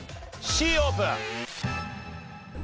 Ｃオープン。